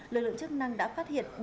lực lượng chức năng đã phát hiện